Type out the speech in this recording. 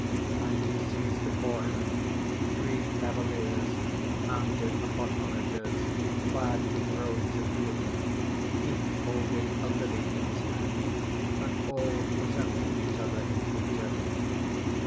_And he sees before him three cavaliers, mounted upon onagers, clad in robes of green each holding a lily in his hand, and all resembling each other in feature.